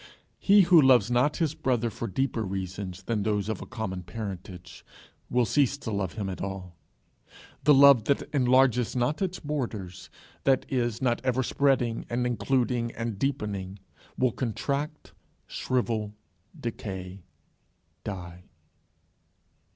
He who loves not his brother for deeper reasons than those of a common parentage will cease to love him at all. The love that enlarges not its borders, that is not ever spreading and including, and deepening, will contract, shrivel, decay, die.